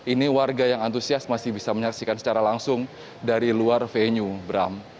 ini warga yang antusias masih bisa menyaksikan secara langsung dari luar venue bram